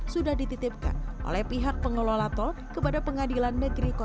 sudah dititipkan oleh pihak pengelola tol kepada pengadilan negeri kota